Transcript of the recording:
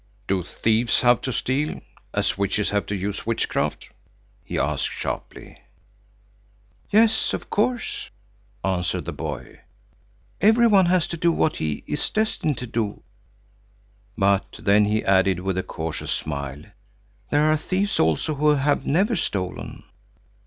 "Do thieves have to steal, as witches have to use witchcraft?" he asked sharply. "Yes, of course," answered the boy; "every one has to do what he is destined to do." But then he added, with a cautious smile: "There are thieves also who have never stolen."